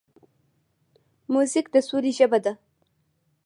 موزیک د سولې ژبه ده.